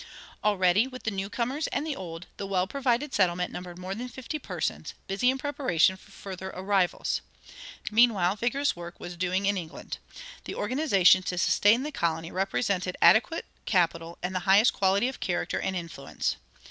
Already, with the newcomers and the old, the well provided settlement numbered more than fifty persons, busy in preparation for further arrivals. Meanwhile vigorous work was doing in England. The organization to sustain the colony represented adequate capital and the highest quality of character and influence.